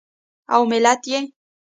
او ملت یې